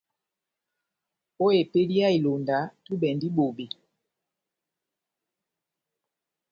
Ó epédi yá ilonda, túbɛ endi bobé.